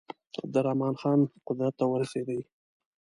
عبدالرحمن خان قدرت ته ورسېدی.